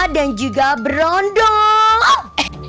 dan juga berondong